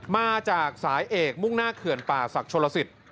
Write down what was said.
มาจากสายเอกมุ่งหน้าเขื่อนป่าศักดิ์ชนลสิต